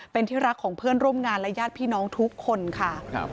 เป็นที่รักของเพื่อนร่วมงานและญาติพี่น้องทุกคนค่ะ